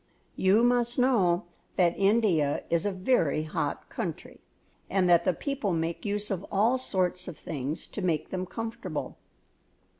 You must know that India is a very hot country and that the people make use of all sorts of things to make them comfortable.